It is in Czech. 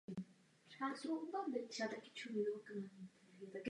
To nepochybně!